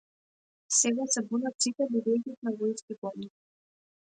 Сега се бунат сите бидејќи сите сме во исти гомна.